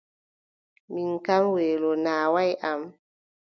Mi kam weelo naawaay am.